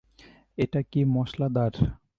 এটা কি মশলাদার?